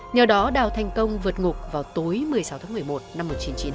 nhờ đó đào thành công vượt ngục vào tối một mươi sáu tháng một mươi một năm một nghìn chín trăm bảy mươi